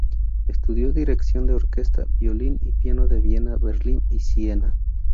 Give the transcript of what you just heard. Estudió dirección de orquesta, violín y piano en Viena, Berlín y Siena.